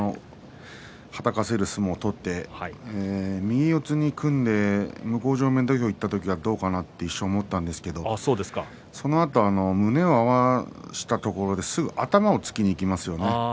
はたかせる相撲を取って右四つに組んで向正面土俵にいった時はどうかなと一瞬思ったんですけどそのあとに胸を合わせたところですぐに頭をつけにいきますよね。